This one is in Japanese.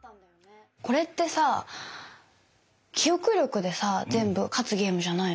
これってさ記憶力でさ全部勝つゲームじゃないの？